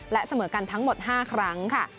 และเสมอกันทั้งหมด๕ครั้งค่ะ